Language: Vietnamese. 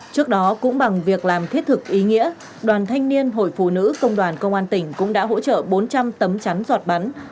trước đó cũng bằng việc làm thiết thực ý nghĩa đoàn thanh niên hội phụ nữ công đoàn công an tỉnh cũng đã hỗ trợ bốn trăm linh tấm chắn giọt bắn